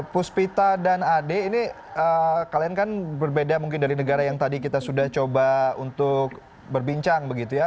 puspita dan ade ini kalian kan berbeda mungkin dari negara yang tadi kita sudah coba untuk berbincang begitu ya